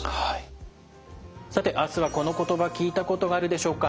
さてあすはこの言葉聞いたことがあるでしょうか。